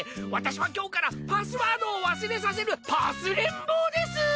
私は今日からパスワードを忘れさせるパスれん帽です！